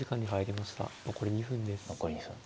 残り２分です。